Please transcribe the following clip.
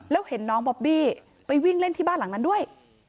แล้วเห็นน้องบอบบี้ไปวิ่งเล่นที่บ้านหลังนั้นด้วย